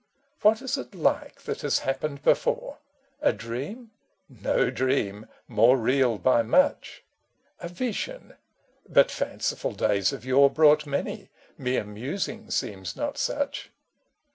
What is it like that has happened before ? A dream ? No dream, more real by much. A vision ? But fanciful days of yore Brought many : mere musing seems not such.